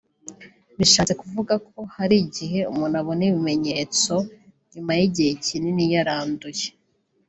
bishatse kuvuga ko hari igihe umuntu abona ibimenyetso nyuma y’igihe kinini yaranduye